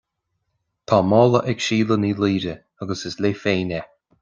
Tá mála ag Síle Ní Laoire, agus is léi féin é